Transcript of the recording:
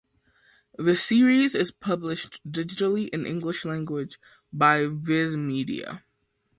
The series is published digitally in English language by Viz Media.